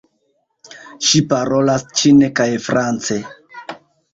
Ŝi parolas ĉine kaj france.